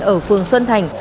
ở phường xuân thành